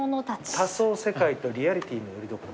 「多層世界とリアリティのよりどころ」